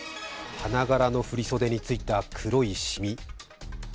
花柄の振り袖についた黒い染み。